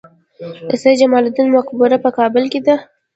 د سید جمال الدین مقبره په کابل کې ده